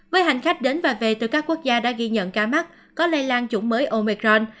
với hành khách đến và về từ các quốc gia đã ghi nhận ca mắc có lây lan chủng mới omecron